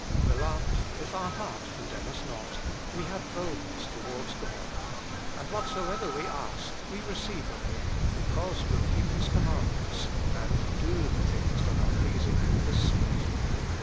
"Beloved, if our heart condemn us not, we have boldness toward God; and whatsoever we ask, we receive of Him, because we keep His commandments, and do the things that are pleasing in His sight."